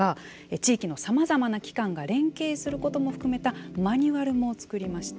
地域のさまざまな機関が連携することも含めたマニュアルも作りました。